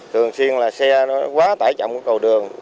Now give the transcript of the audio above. thường xuyên là xe nó quá tải trọng cái cầu đường